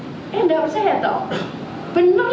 eh nggak percaya tahu